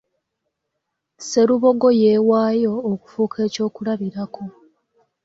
Sserubogo yeewaayo okufuuka ekyokulabirako.